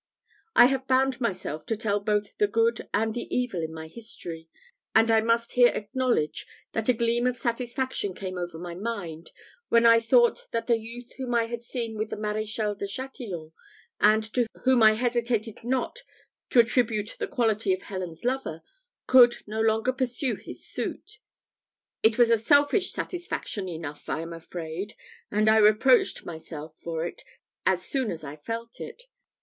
I have bound myself to tell both the good and the evil in my history, and I must here acknowledge, that a gleam of satisfaction came over my mind, when I thought that the youth whom I had seen with the Maréchal de Chatillon, and to whom I hesitated not to attribute the quality of Helen's lover, could no longer pursue his suit. It was a selfish satisfaction enough, I am afraid, and I reproached myself for it as soon as I felt it.